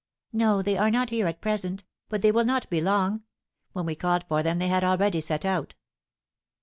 "No, they are not here at present, but they will not be long. When we called for them they had already set out."